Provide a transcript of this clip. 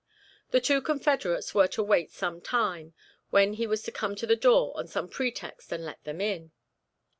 The two confederates were to wait some time, when he was to come to the door on some pretext and let them in.